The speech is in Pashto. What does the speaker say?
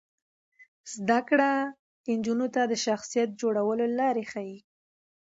زده کړه نجونو ته د شخصیت جوړولو لارې ښيي.